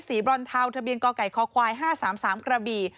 สีบรอนเท้าทะเบียงก่อไก่คอควาย๕๓๓กระบี